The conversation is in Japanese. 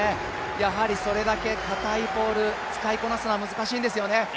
やはりそれだけかたいポール、使いこなすのは難しいんですよね。